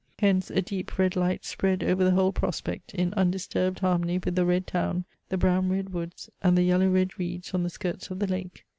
Hence a deep red light spread over the whole prospect, in undisturbed harmony with the red town, the brown red woods, and the yellow red reeds on the skirts of the lake.